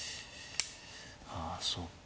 ああそうか。